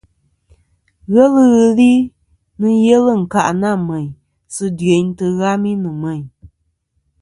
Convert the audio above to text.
Ghelɨ ghɨ li nɨn yelɨ ɨ̀nkâʼ nâ mèyn sɨ dyeyn tɨghami nɨ̀ mêyn.